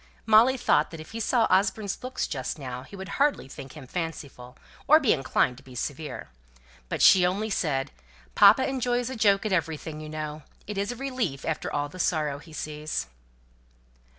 Molly thought that if he saw Osborne's looks just then he would hardly think him fanciful, or be inclined to be severe. But she only said, "Papa enjoys a joke at everything, you know. It is a relief after all the sorrow he sees."